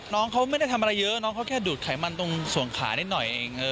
น้องเขาไม่ได้ทำอะไรเยอะน้องเขาแค่ดูดไขมันตรงส่วนขานิดหน่อย